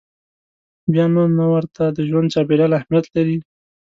بیا نو نه ورته د ژوند چاپېریال اهمیت لري.